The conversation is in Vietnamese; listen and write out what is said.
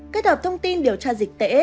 kết hợp thông tin điều tra dịch tễ